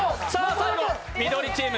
最後、緑チーム。